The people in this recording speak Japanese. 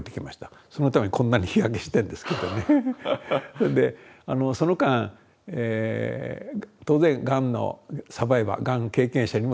それでその間当然がんのサバイバーがんの経験者にもたくさん会いましたし。